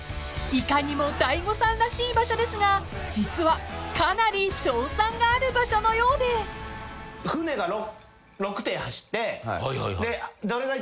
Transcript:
いかにも大悟さんらしい場所ですが実はかなり勝算がある場所のようで］で女の子に。